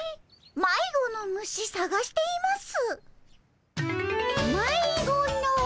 「迷子の虫探しています」。